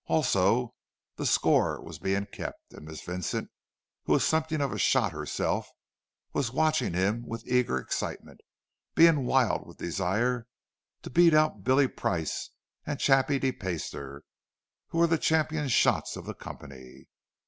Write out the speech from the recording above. Also, the score was being kept, and Miss Vincent, who was something of a shot herself, was watching him with eager excitement, being wild with desire to beat out Billy Price and Chappie de Peyster, who were the champion shots of the company.